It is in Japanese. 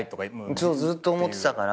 ずっと思ってたから。